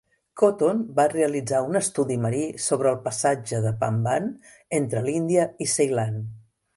Cotton va realitzar un estudi marí sobre el passatge de Pamban entre l'Índia i Ceilan.